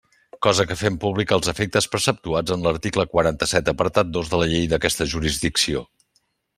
Cosa que fem pública als efectes preceptuats en l'article quaranta-set apartat dos de la llei d'aquesta jurisdicció.